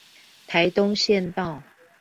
台東縣道